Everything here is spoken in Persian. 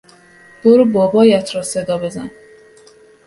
برو بابایت را صدا بزن!